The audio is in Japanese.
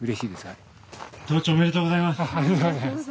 ありがとうございます。